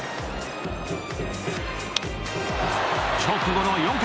直後の４回。